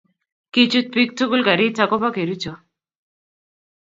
kichuut biik tugul karit agoba Kericho